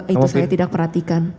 itu saya tidak perhatikan